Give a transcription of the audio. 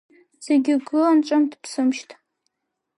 Зегьы гылан ҿымҭ-ԥсымшьҭ.